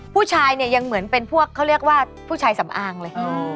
ผู้ชายเนี่ยยังเหมือนเป็นพวกเขาเรียกว่าผู้ชายสำอางเลย